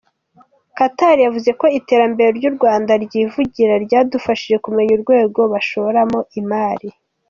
Katar yavuze ko iterambere ry’u Rwanda ryivugira ryadufashije kumenya urwego bashoramo imari.